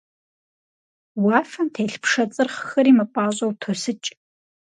Уафэм телъ пшэ цӀырхъхэри мыпӀащӀэу тосыкӀ.